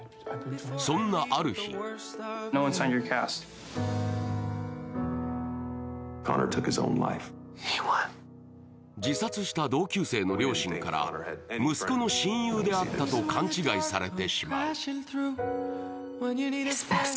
そんなある日自殺した同級生の両親から息子の親友であったと勘違いされてしまう。